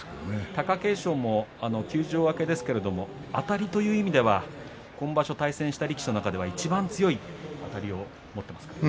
貴景勝も休場明けですけれどもあたりという意味では今場所対戦した力士の中ではいちばん強いあたりを持っていますからね。